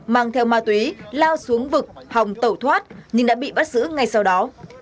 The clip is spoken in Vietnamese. mang theo ma túy lao xuống vực hòng tẩu thoát nhưng đã bị bắt giữ ngay sau đó